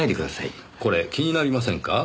これ気になりませんか？